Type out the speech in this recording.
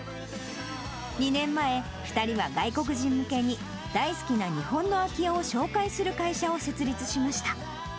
２年前、２人は外国人向けに、大好きな日本の空き家を紹介する会社を設立しました。